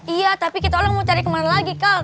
iya tapi kita orang mau cari kemana lagi kak